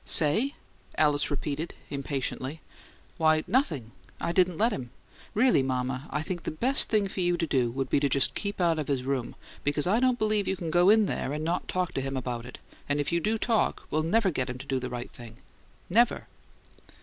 "'Say?'" Alice repeated, impatiently. "Why, nothing. I didn't let him. Really, mama, I think the best thing for you to do would be to just keep out of his room, because I don't believe you can go in there and not talk to him about it, and if you do talk we'll never get him to do the right thing. Never!"